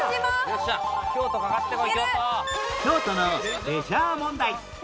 京都のレジャー問題